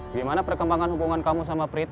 gimana perkembangan hubungan kamu sama prita